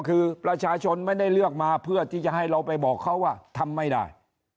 คือประชาชนไม่ได้เลือกมาเพื่อที่จะให้เราไปบอกเขาว่าทำไม่ได้